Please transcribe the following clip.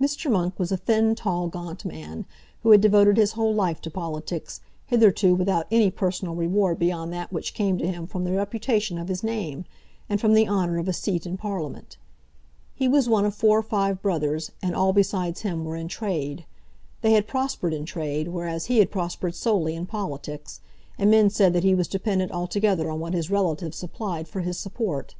Mr. Monk was a thin, tall, gaunt man, who had devoted his whole life to politics, hitherto without any personal reward beyond that which came to him from the reputation of his name, and from the honour of a seat in Parliament. He was one of four or five brothers, and all besides him were in trade. They had prospered in trade, whereas he had prospered solely in politics; and men said that he was dependent altogether on what his relatives supplied for his support.